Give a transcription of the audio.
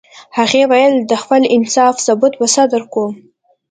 هغې ویل د خپل انصاف ثبوت به څه درکوم